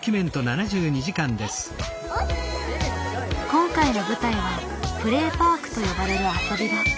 今回の舞台は「プレーパーク」と呼ばれる遊び場。